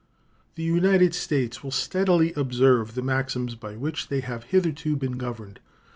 The United States will steadily observe the maxims by which they have hitherto been governed.